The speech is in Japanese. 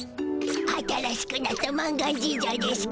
新しくなった満願神社でしゅ